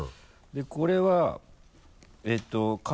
でこれはえっと体。